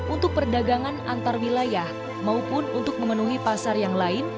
untuk perdagangan antarwilayah maupun untuk memenuhi pasar yang lain